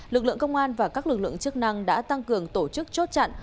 lực lượng công an và các lực lượng chức năng đã tăng cường tổ chức chốt chặn